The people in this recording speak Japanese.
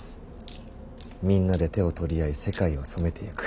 みんなで手を取り合い世界を染めていく。